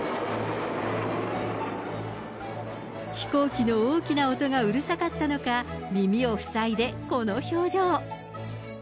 飛行機の大きな音がうるさかったのか、耳を塞いでこの表情。